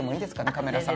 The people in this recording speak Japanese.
カメラさん。